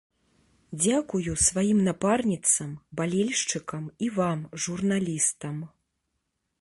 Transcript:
Дзякую сваім напарніцам, балельшчыкам і вам, журналістам.